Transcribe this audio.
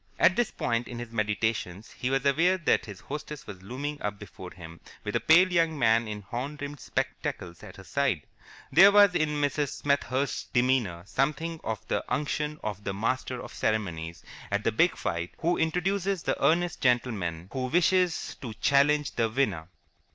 At this point in his meditations he was aware that his hostess was looming up before him with a pale young man in horn rimmed spectacles at her side. There was in Mrs. Smethurst's demeanour something of the unction of the master of ceremonies at the big fight who introduces the earnest gentleman who wishes to challenge the winner.